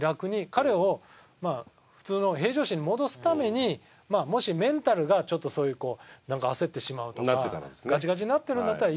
彼を普通の平常心に戻すためにもしメンタルがちょっとこうなんか焦ってしまうとかガチガチになってるんだったら１回。